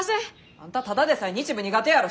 あんたただでさえ日舞苦手やろ。